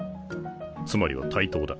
つまりは対等だ。